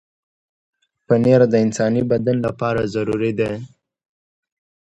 پنېر د انساني بدن لپاره ضروري دی.